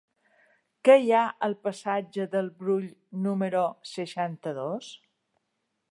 Què hi ha al passatge del Brull número seixanta-dos?